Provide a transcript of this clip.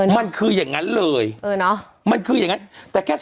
เอ่อมันคืออย่างงั้นเลยเอ่อเรามันคืออย่างงั้นแต่แค่